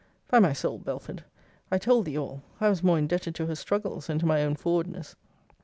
By my soul, Belford, I told thee all I was more indebted to her struggles, than to my own forwardness.